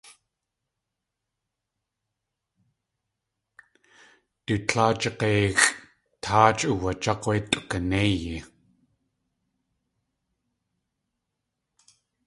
Du tláa jig̲eixʼ táach uwaják̲ wé tʼukanéiyi.